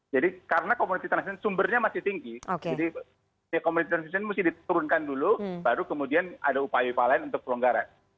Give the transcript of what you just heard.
jadi karena komunitas transmisi sumbernya masih tinggi komunitas transmisi ini harus diturunkan dulu baru kemudian ada upaya upaya lain untuk perlenggaran